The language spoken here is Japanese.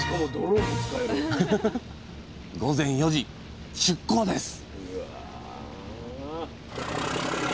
午前４時出港です！